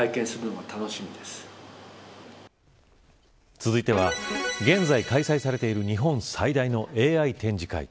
続いては、現在開催されている日本最大のＡＩ展示会。